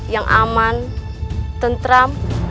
yang aman tentram